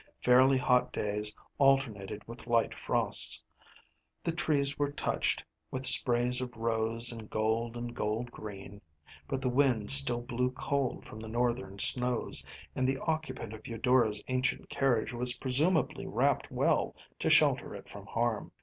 Fairly hot days alternated with light frosts. The trees were touched with sprays of rose and gold and gold green, but the wind still blew cold from the northern snows, and the occupant of Eudora’s ancient carriage was presumably wrapped well to shelter it from harm.